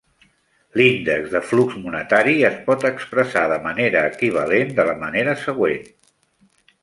L'índex de flux monetari es pot expressar de manera equivalent de la manera següent.